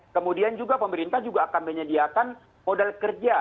kemudian juga pemerintah juga akan menyediakan modal kerja